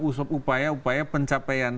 usaha upaya pencapaian